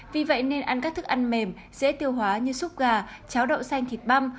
vì vậy nên ăn các thức ăn mềm dễ tiêu hóa như xúc gà cháo đậu xanh thịt băm